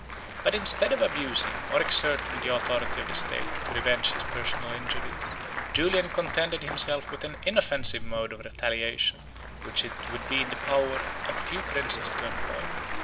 19 But instead of abusing, or exerting, the authority of the state, to revenge his personal injuries, Julian contented himself with an inoffensive mode of retaliation, which it would be in the power of few princes to employ.